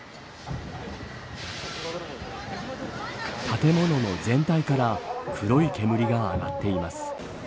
建物の全体から黒い煙が上がっています。